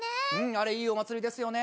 あれいいお祭りですよね。